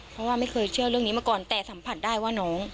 เพราะว่าไม่เคยเชื่อเรื่องนี้มาก่อนแต่สัมผัสได้ว่าน้อง